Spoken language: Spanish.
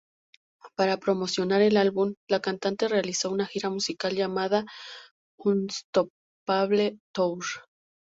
Para promocionar el álbum, la cantante realizó una gira musical llamada Unstoppable Tour.